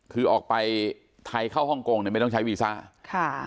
คือออกไปไทยเข้าฮ่องกงเนี่ยไม่ต้องใช้วีซ่าค่ะ